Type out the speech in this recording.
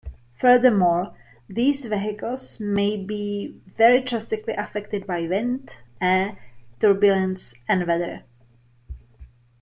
Furthermore, these vehicles may be very drastically affected by wind, air turbulence, and weather.